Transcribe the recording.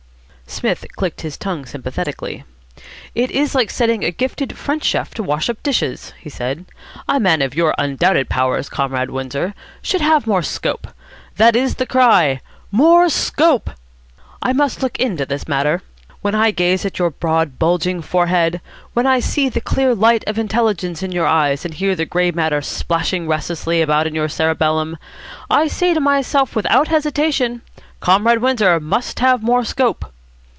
Psmith clicked his tongue sympathetically. "It is like setting a gifted French chef to wash up dishes," he said. "A man of your undoubted powers, Comrade Windsor, should have more scope. That is the cry, 'more scope!' I must look into this matter. When I gaze at your broad, bulging forehead, when I see the clear light of intelligence in your eyes, and hear the grey matter splashing restlessly about in your cerebellum, I say to myself without hesitation, 'Comrade Windsor must have more scope.'"